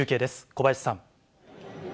小林さん。